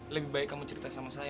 lebih baik kamu cerita sama saya